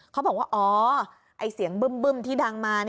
เขาบอกว่าอ๋อเสียงบึ้มที่ดังมา